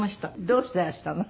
どうしていらしたの？